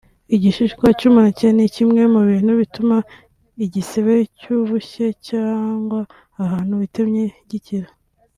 Igishishwa cy’umuneke ni kimwe mu bintu bituma igisebe cy’ubushye cyangwa ahantu witemye gikira